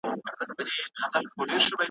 حیادار حیا کول بې حیا ویل زما څخه بېرېږي `